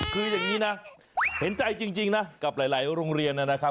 คืออย่างนี้นะเห็นใจจริงนะกับหลายโรงเรียนนะครับ